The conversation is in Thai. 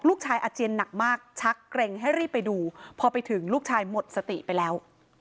อาเจียนหนักมากชักเกร็งให้รีบไปดูพอไปถึงลูกชายหมดสติไปแล้ว